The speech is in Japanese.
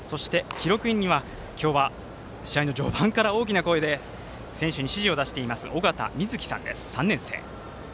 記録員には今日は試合の序盤から大きな声で選手に指示を出している緒方美月さんです、３年生。